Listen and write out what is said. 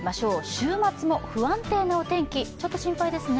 週末も不安定なお天気ちょっと心配ですね。